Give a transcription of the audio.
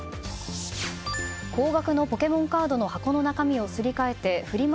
高額のポケモンカードの箱の中身をすり替えてフリマ